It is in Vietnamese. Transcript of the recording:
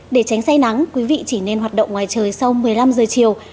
để tránh say nắng quý vị chỉ nên hoạt động ngoài trời sau một mươi năm giờ chiều